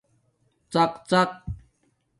ڎق ڎق